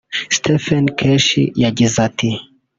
Stephen Keshi yagize ati